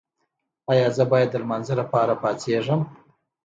ایا زه باید د لمانځه لپاره پاڅیږم؟